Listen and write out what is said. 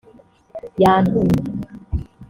Yantumye